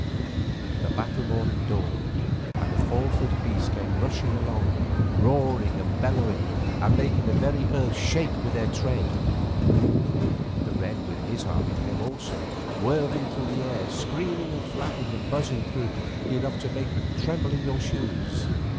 The battle morning dawned, and the four footed beasts came rushing along roaring and bellowing, and making the very earth shake with their tread. The wren and his army came also, whirring through the air, screaming and flapping and buzzing enough to make you tremble in your shoes.